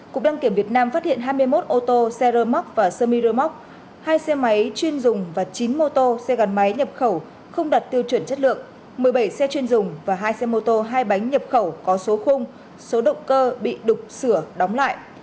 cục đăng kiểm việt nam phát hiện hai mươi một ô tô xe rơ móc và sơ mi rơ móc hai xe máy chuyên dùng và chín mô tô xe gắn máy nhập khẩu không đạt tiêu chuẩn chất lượng một mươi bảy xe chuyên dùng và hai xe mô tô hai bánh nhập khẩu có số khung số động cơ bị đục sửa đóng lại